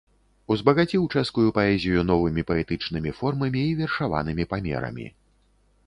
Узбагаціў чэшскую паэзію новымі паэтычнымі формамі і вершаванымі памерамі.